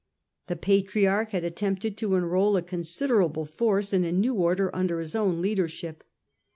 The Patriarch had attempted to enrol a considerable force in a new Order under his own leadership.